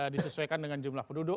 disesuaikan dengan jumlah penduduk